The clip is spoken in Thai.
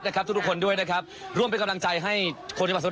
นะครับทุกคนด้วยนะครับร่วมเป็นกำลังใจให้คนจังหวัดศูนย์